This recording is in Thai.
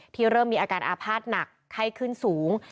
เริ่มมีอาการอาภาษณ์หนักไข้ขึ้นสูง